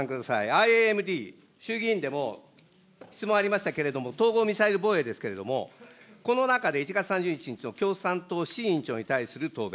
ＩＡＭＤ、衆議院でも質問ありましたけれども、統合ミサイル防衛ですけれども、この中で１月３０日の共産党、志位委員長に対する答弁。